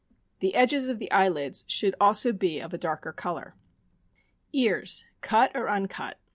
The edges of the eyelids should also be of a darker color. Ears cut or uncut.